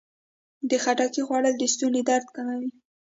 د خټکي خوړل د ستوني درد کموي.